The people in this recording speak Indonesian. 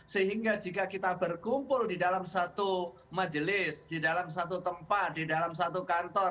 sehingga jika kita berkumpul di dalam satu majelis di dalam satu tempat di dalam satu kantor